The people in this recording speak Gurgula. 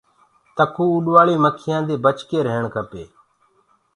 تڪوُ رهيڻ کپي اُڏوآݪي مکيآنٚ دي بچي رهيڻ کپي۔